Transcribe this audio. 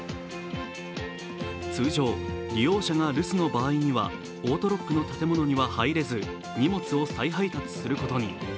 通常、利用者が留守の場合にはオートロックの建物には入れず荷物を再配達することに。